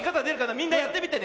みんなやってみてね。